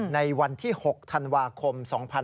ในวันที่๖ธันวาคม๒๕๖๒